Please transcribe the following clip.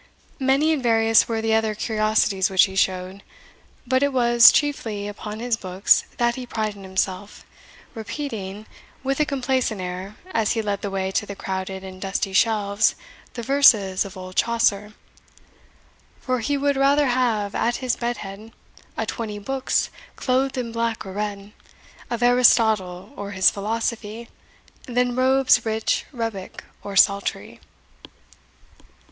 Many and various were the other curiosities which he showed; but it was chiefly upon his books that he prided himself, repeating, with a complacent air, as he led the way to the crowded and dusty shelves, the verses of old Chaucer For he would rather have, at his bed head, A twenty books, clothed in black or red, Of Aristotle, or his philosophy, Than robes rich, rebeck, or saltery.